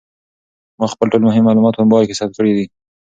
ما خپل ټول مهم معلومات په موبایل کې ثبت کړي دي.